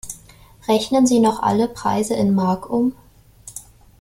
Rechnen Sie noch alle Preise in Mark um?